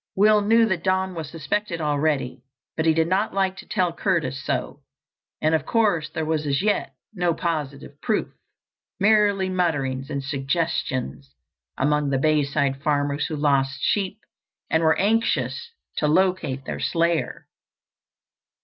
Will knew that Don was suspected already, but he did not like to tell Curtis so. And of course there was as yet no positive proof—merely mutterings and suggestions among the Bayside farmers who had lost sheep and were anxious to locate their slayer.